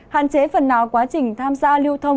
hạn chế phần nào quá trình tham gia lưu thông